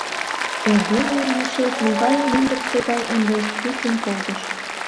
Эрдене лийшет могай мӱндырсӧ гай ынде чучын колтыш!